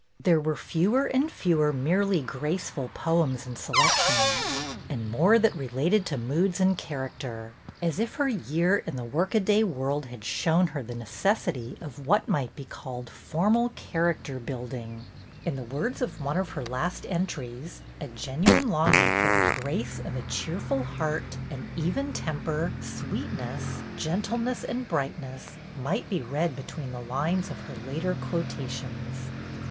There were fewer and fewer merely graceful poems and selections, and more that related to moods and character, as if her year in the workaday world had shown her the 48 BETTY BAIRD'S GOLDEN YEAR necessity of what might be called formal character building. In the words of one of her last entries, a genuine longing for "the grace of a cheerful heart, an even temper, sweetness, gentleness, and brightness," might be read between the lines of her later quotations.